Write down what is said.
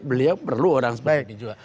beliau perlu orang seperti itu